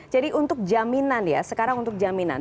jadi untuk jaminan ya sekarang untuk jaminan